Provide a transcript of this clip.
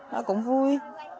nó cũng vui